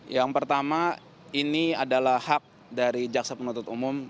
yang pertama ini adalah hak dari jaksa penuntut umum